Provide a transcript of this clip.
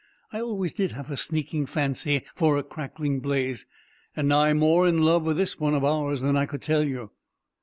I always did have a sneaking fancy for a crackling blaze, and now I'm more in love with this one of ours than I could tell you."